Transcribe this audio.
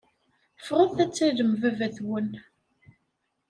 Ffɣet ad tallem baba-twen.